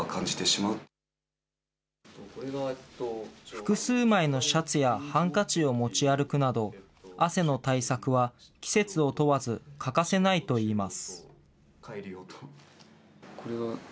複数枚のシャツや、ハンカチを持ち歩くなど、汗の対策は季節を問わず欠かせないといいます。